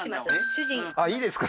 主人いいですか？